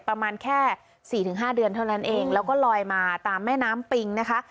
ประมาณแค่สี่ถึงห้าเดือนเท่านั้นเองแล้วก็ลอยมาตามแม่น้ำปิงนะคะ